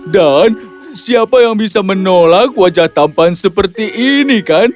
dan siapa yang bisa menolak wajah tampan seperti ini kan